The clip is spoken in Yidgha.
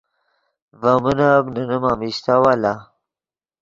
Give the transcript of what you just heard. ڤے من ام نے نیم امیشتاؤ لا